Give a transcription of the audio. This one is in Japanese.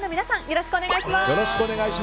よろしくお願いします。